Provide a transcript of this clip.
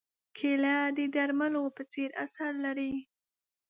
کېله د درملو په څېر اثر لري.